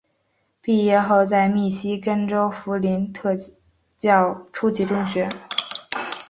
毕业后在密西根州弗林特教初级中学。